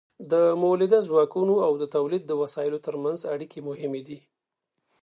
د مؤلده ځواکونو او د تولید د وسایلو ترمنځ اړیکې مهمې دي.